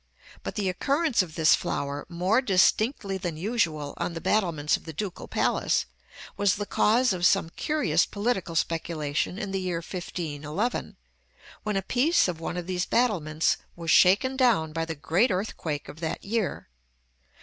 But the occurrence of this flower, more distinctly than usual, on the battlements of the Ducal Palace, was the cause of some curious political speculation in the year 1511, when a piece of one of these battlements was shaken down by the great earthquake of that year.